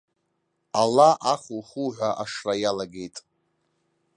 Ала ахухуҳәа ашра иалагеит.